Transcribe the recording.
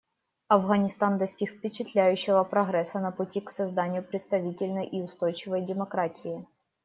Афганистан достиг впечатляющего прогресса на пути к созданию представительной и устойчивой демократии.